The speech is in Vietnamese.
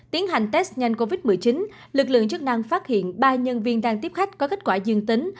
tiến hành test nhanh covid một mươi chín lực lượng chức năng phát hiện ba nhân viên đang tiếp khách có kết quả dương tính